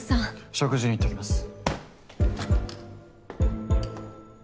食事に行ってきます。